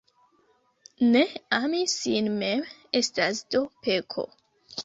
Ne ami sin mem, estas do peko.